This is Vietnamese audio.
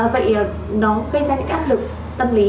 vậy nó gây ra những áp lực tâm lý